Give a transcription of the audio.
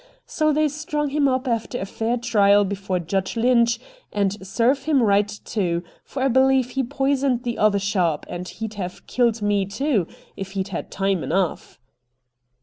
So they strung him up after a fair trial before Judge Lynch, and serve him right too, for I believe he poisoned the other sharp, and he'd have killed me too, if he'd had time enough.'